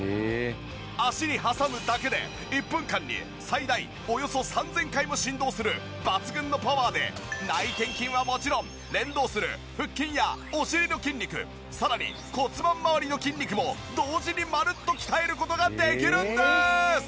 脚に挟むだけで１分間に最大およそ３０００回も振動する抜群のパワーで内転筋はもちろん連動する腹筋やお尻の筋肉さらに骨盤まわりの筋肉も同時にまるっと鍛える事ができるんです！